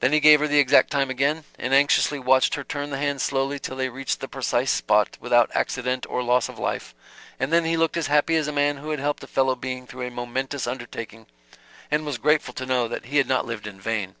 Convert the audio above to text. Then he gave her the exact time again, and anxiously watched her turn the hands slowly till they reached the precise spot without accident or loss of life, and then he looked as happy as a man who had helped a fellow being through a momentous undertaking, and was grateful to know that he had not lived in vain.